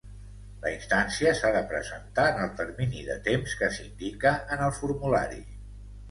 La instància s'ha de presentar en el termini de temps que s'indica en el formulari.